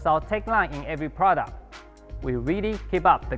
sebagai tagline dari setiap produk kami kami benar benar mengembalikan permainan